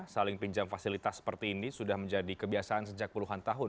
saling pinjam fasilitas seperti ini sudah menjadi kebiasaan sejak puluhan tahun